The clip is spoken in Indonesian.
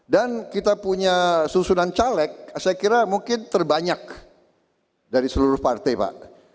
dan kita punya susunan caleg saya kira mungkin terbanyak dari seluruh partai pak